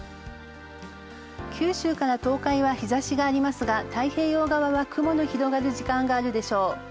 九州から東海は日差しがありますが、太平洋側は雲の広がる時間があるでしょう。